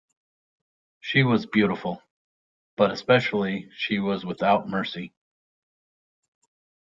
She was beautiful — but especially she was without mercy.